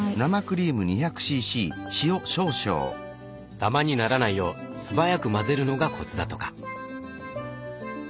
ダマにならないよう素早く混ぜるのがコツだとか。